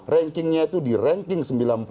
rankingnya itu di ranking sembilan puluh